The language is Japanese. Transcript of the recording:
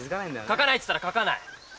かかないつったらかかない！